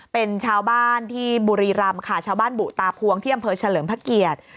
เป็นชาวบ้านที่บุรีรำค่ะชาวบ้านบุตาพวงที่อำเภอเฉลิมพระเกียรติ